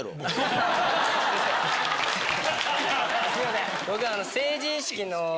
すいません。